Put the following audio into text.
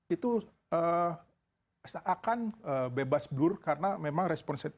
itu seakan bebas blur karena memang respons